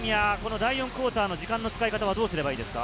第４クオーターの時間の使い方はどうすればいいですか？